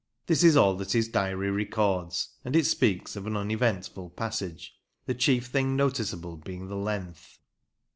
This is all that his diary records, and it speaks of an uneventful passage, the chief thing noticeable being the length.